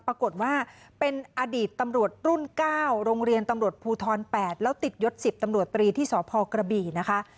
ปรากฏว่าเป็นอดีตตำรวจรุ่น๙โรงเรียนตำรวจภูทร๘แล้วติดยศ๑๐ตำรวจตรีที่สพกระบี่นะคะ